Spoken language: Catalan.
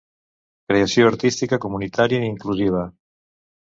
Creació artística comunitària i inclusiva.